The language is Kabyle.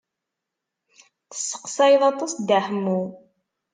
Tesseqsayeḍ aṭas Dda Ḥemmu.